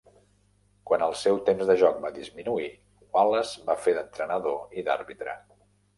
Quan el seu temps de joc va disminuir, Wallace va fer d'entrenador i d'àrbitre.